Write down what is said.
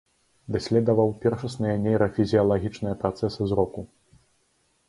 Даследаваў першасныя нейрафізіялагічныя працэсы зроку.